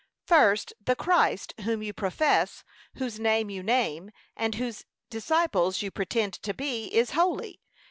] First, The Christ, whom you profess, whose name you name, and whose disciples you pretend to be, is holy.